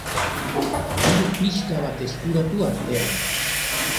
Diru pixka bat eskuratu artean.